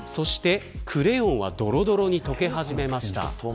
クレヨンはどろどろに溶け始めました。